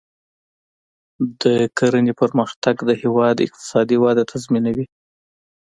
د کرنې پرمختګ د هیواد اقتصادي وده تضمینوي.